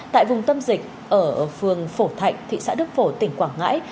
tại vùng tâm dịch ở phường phổ thạnh thị xã đức phổ tỉnh quảng ngãi